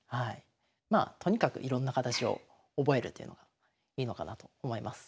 まあとにかくいろんな形を覚えるというのがいいのかなと思います。